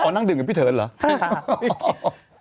นั่งดื่มกับพี่เถินเหรอ